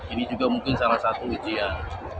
ini juga mungkin salah satu ujian